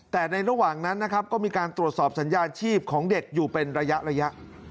แต่ในระหว่างนั้นนะครับก็มีการตรวจสอบสัญญาณชีพของเด็กอยู่เป็นระยะ